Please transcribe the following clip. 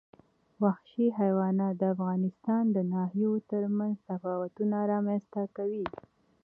وحشي حیوانات د افغانستان د ناحیو ترمنځ تفاوتونه رامنځ ته کوي.